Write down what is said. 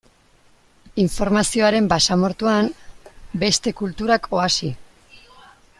Informazioaren basamortuan, beste kulturak oasi.